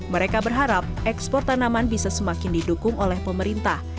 mereka berharap ekspor tanaman bisa semakin didukung oleh pemerintah